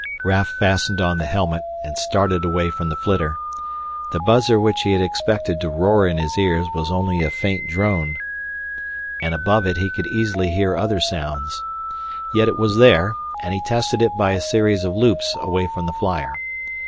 Raf fastened on the helmet and started away from the flitter. The buzzer which he had expected to roar in his ears was only a faint drone, and above it he could easily hear other sounds. Yet it was there, and he tested it by a series of loops away from the flyer.